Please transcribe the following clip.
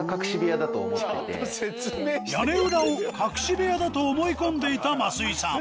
屋根裏を隠し部屋だと思い込んでいた桝井さん。